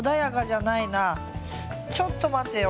ちょっと待てよ。